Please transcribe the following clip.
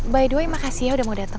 by the way makasih ya udah mau datang